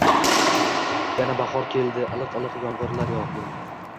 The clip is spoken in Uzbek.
Yana bahor keldi. Ilq-iliq yomg’irlar yog’di.